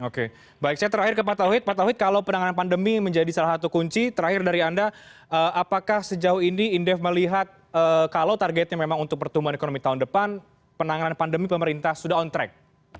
oke baik saya terakhir ke pak tauhid pak tauhid kalau penanganan pandemi menjadi salah satu kunci terakhir dari anda apakah sejauh ini indef melihat kalau targetnya memang untuk pertumbuhan ekonomi tahun depan penanganan pandemi pemerintah sudah on track